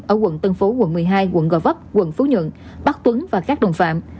ở quận tân phố quận một mươi hai quận gò vấp quận phú nhượng bắc tuấn và các đồng phạm